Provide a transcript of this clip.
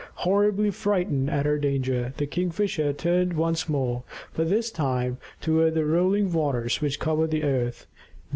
Horribly frightened at her danger, the Kingfisher turned once more, but this time toward the rolling waters which covered the earth.